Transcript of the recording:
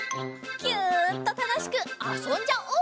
ギュッとたのしくあそんじゃおう。